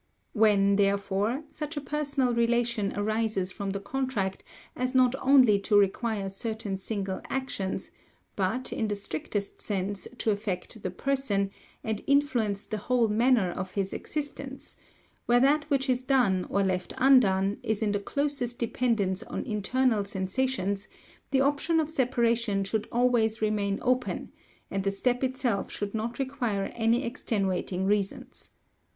When, therefore, such a personal relation arises from the contract as not only to require certain single actions, but, in the strictest sense, to affect the person, and influence the whole manner of his existence; where that which is done, or left undone, is in the closest dependence on internal sensations, the option of separation should always remain open, and the step itself should not require any extenuating reasons.